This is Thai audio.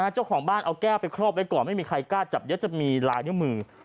เจ้าของบ้านเอาแก้วไปครอบไว้ก่อนไม่มีใครกล้าจับเยอะจะมีลายนิ้วมือ